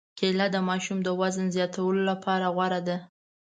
کېله د ماشوم د وزن زیاتولو لپاره غوره ده.